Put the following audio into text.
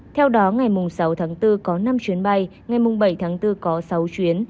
theo đó ngày sáu tháng bốn có năm chuyến bay ngày bảy tháng bốn có sáu chuyến